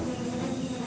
menjadi seorang raja